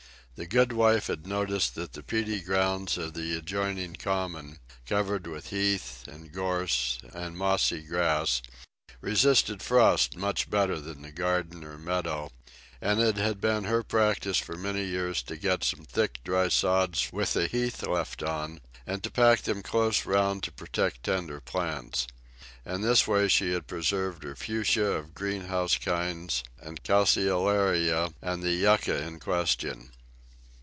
The goodwife had noticed that the peaty ground of the adjoining common, covered with heath and gorse and mossy grass, resisted frost much better than the garden or meadow, and it had been her practice for many years to get some thick dry sods with the heath left on and to pack them close round to protect tender plants. In this way she had preserved her Fuchsias of greenhouse kinds, and Calceolarias, and the Yucca in question.